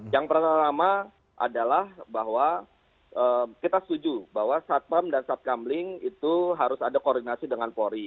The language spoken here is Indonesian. yang pertama adalah bahwa kita setuju bahwa satpam dan satkambling itu harus ada koordinasi dengan polri